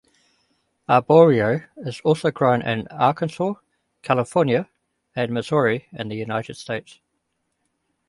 Arborio is also grown in Arkansas, California, and Missouri in the United States.